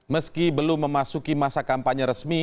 meski belum memasuki masa kampanye resmi